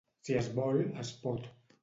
Si es vol, es pot